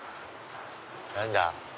何だ？